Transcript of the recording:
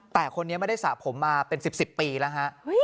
แต่คนนี้ไม่ได้สระผมมาเป็น๑๐ปีแล้วฮะ